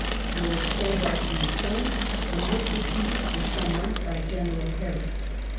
Lord Hobart went home and was succeeded for some months by General Harris.